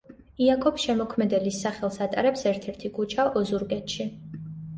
იაკობ შემოქმედელის სახელს ატარებს ერთ-ერთი ქუჩა ოზურგეთში.